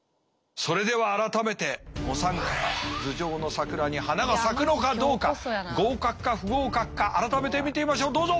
それでは改めてお三方頭上の桜に花が咲くのかどうか合格か不合格か改めて見てみましょうどうぞ！